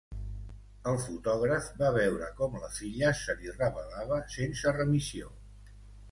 El fotògraf va veure com la filla se li rebel·lava sense remissió